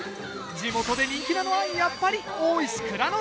地元で人気なのはやっぱり大石内蔵助。